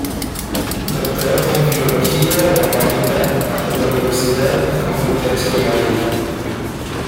Doctor en filología románica por la Universidad Complutense de Madrid.